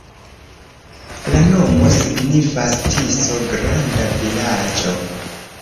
La nomo signifas: Tiso-granda-vilaĝo.